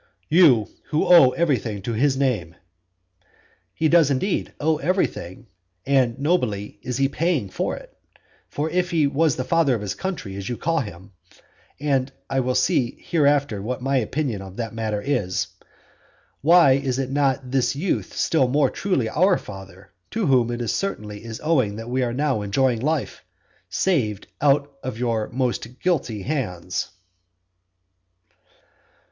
"You who owe everything to his name " He does indeed owe everything, and nobly is he paying it. For if he was the father of his country, as you call him, (I will see hereafter what my opinion of that matter is,) why is not this youth still more truly our father, to whom it certainly is owing that we are now enjoying life, saved out of your most guilty hands!